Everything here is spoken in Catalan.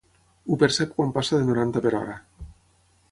Ho percep quan passa de noranta per hora.